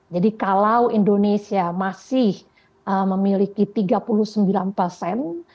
jadi kalau indonesia masih memiliki tiga puluh sembilan persen